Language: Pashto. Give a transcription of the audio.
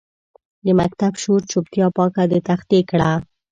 د مکتب شور چوپتیا پاکه د تختې کړه